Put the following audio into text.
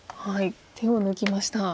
手を抜きました。